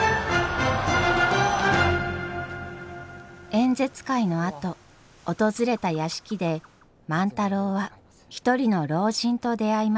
演説会のあと訪れた屋敷で万太郎は一人の老人と出会います。